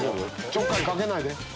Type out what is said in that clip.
ちょっかいかけないで。